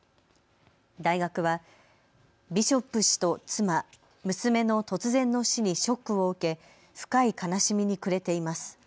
大学は、ビショップ氏と妻、娘の突然の死にショックを受け深い悲しみに暮れています。